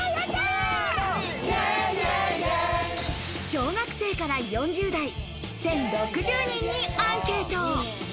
小学生から４０代、１０６０人にアンケート。